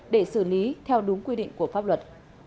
để xử lý theo đúng quy định của pháp luật